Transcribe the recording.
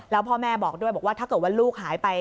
แล้วพ่อแม่บอกด้วยบอกว่าถ้าเกิดว่าลูกหายไป